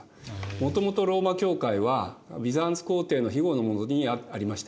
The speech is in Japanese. もともとローマ教会はビザンツ皇帝のひごのもとにありました。